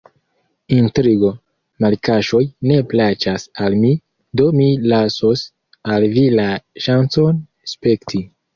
Intrigo-malkaŝoj ne plaĉas al mi, do mi lasos al vi la ŝancon spekti.